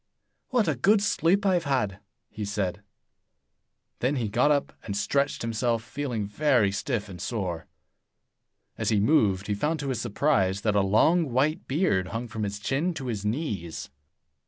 "What a good sleep I have had!" he said. Then he got up and stretched himself, feeling very stiff and sore. As he moved, he found, to his surprise, that a long white beard hung from his chin to his knees.